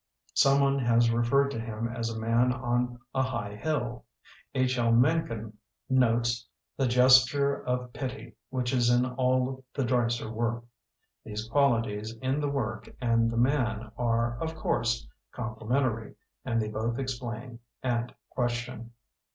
Someone has re ferred to him as a man on a high hill. H. L. Mencken notes the "gesture of pity" which is in all the Dreiser work. These qualities in the work and the man are, of course, complementary and they both explain and question.